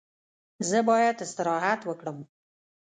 زه باید استراحت وکړم.